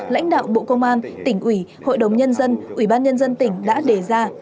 lãnh đạo bộ công an tỉnh ủy hội đồng nhân dân ủy ban nhân dân tỉnh đã đề ra